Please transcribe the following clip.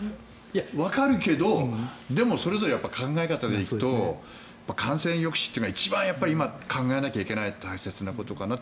わかるけどでもそれぞれの考え方で行くと感染抑止というのが一番考えなきゃいけない大切なことかなって